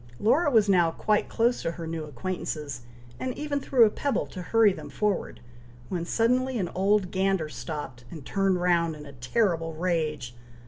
Laura was now quite close to her new acquaintances, and even threw a pebble to hurry them forward, when suddenly an old gander stopped, and turned round in a terrible rage.